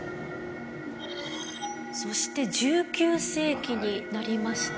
そして１９世紀になりますと。